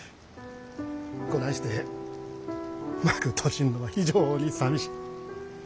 こないして幕閉じんのは非常にさみしい。